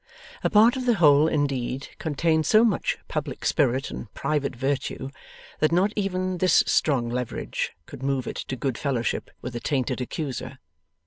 A part of the Hole, indeed, contained so much public spirit and private virtue that not even this strong leverage could move it to good fellowship with a tainted accuser.